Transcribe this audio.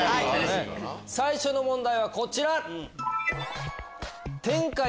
最初の問題はこちら！